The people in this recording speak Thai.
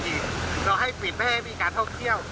เราให้ปิดไม่ให้มีการท่องเที่ยว